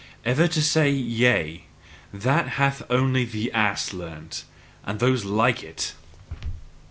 Ever to say YE A that hath only the ass learnt, and those like it!